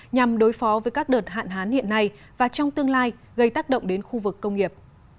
nhằm đối phó với các đợt hạn hán hiện nay và trong tương lai gây tác động đến khu vực công nghiệp